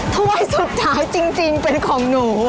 ถ้วยสุดท้ายจริงเป็นของหนู